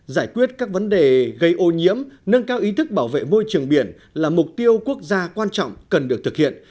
giải quyết các vấn đề gây ô nhiễm nâng cao ý thức bảo vệ môi trường biển là mục tiêu quốc gia quan trọng cần được thực hiện